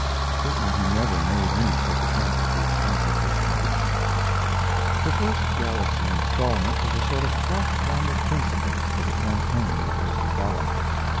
Certainly he never made any such attempt at the expense of his convictions. The first Galaxy instalment was a sort of platform of principles for the campaign that was to follow.